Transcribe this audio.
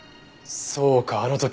そうかあの時。